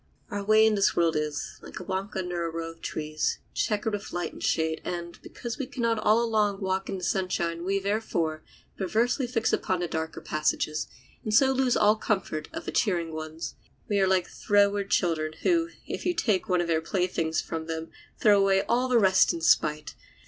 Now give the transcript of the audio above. Our way in this world is, like a walk under a row of trees, checkered with light and shade, and, because we can not all along walk in the sunshine, we, therefore, perversely fix upon the darker passages, and so lose all the comfort of the cheering ones. We are like froward children, who, if you take one of their playthings from them, throw away all the rest in spite.